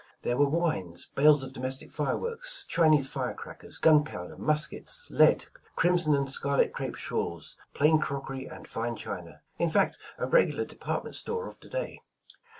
There were wines, bales of domestic fireworks, Chinese fire crackers, gunpowder, muskets, lead, crimson and scarlet crepe shawls, plain crockery and fine china," — in fact, a regiilar depart ment store of to day.